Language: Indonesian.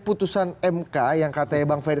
putusan mk yang katanya bang ferry